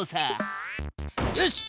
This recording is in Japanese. よし！